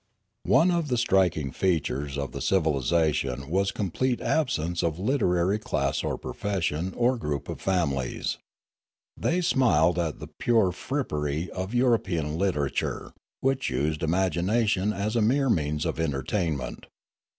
One of the striking features of the civilisation was the complete absence of a literary class or profession or group of families. They smiled at the " pure frip pery " of European literature, which used imagination as a mere means of entertainment.